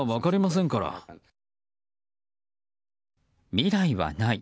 未来はない。